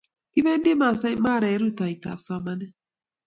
Kipendi Maasai Mara eng' rutoitap somanet.